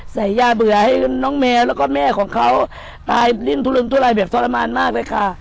ยาเบื่อให้น้องแมวแล้วก็แม่ของเขาตายดิ้นทุลนทุรายแบบทรมานมากเลยค่ะ